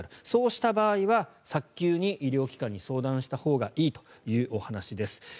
そうした場合は早急に医療機関に相談したほうがいいというお話です。